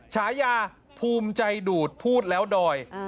ฉายาภูมิใจดูดพูดแล้วดอย